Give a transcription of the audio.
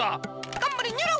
『がんばれニョロ！』。